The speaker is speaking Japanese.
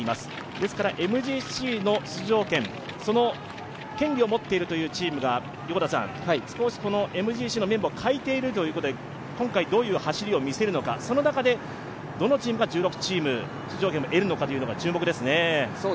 ですからＭＧＣの出場権の権利を持っているチームが少しこのＭＧＣのメンバーをかえているということで、今回どのような走りを見せるのか、その中でどのチームが１６チーム出場権を得るのか注目ですね。